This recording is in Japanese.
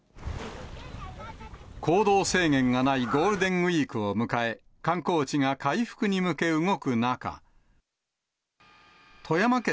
行動制限がないゴールデンウィークを迎え、観光地が回復に向け動く中。